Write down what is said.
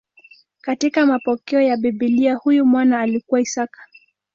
Katika mapokeo ya Biblia huyu mwana alikuwa Isaka.